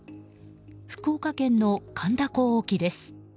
福岡県の苅田港沖です。